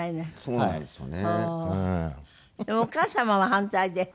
そうなんですよね。